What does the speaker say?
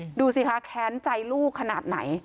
ดูสิคะแค้นใจลูกขนาดไหน